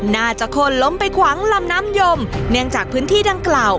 น่าจะคนล้มไปขวางลำน้ำยมเนื่องจากพื้นที่ดังกล่าว